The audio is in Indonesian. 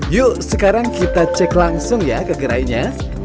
yuk sekarang kita cek langsung ya kegerainya